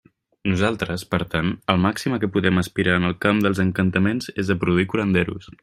Nosaltres, per tant, el màxim a què podem aspirar en el camp dels encantaments és a produir curanderos.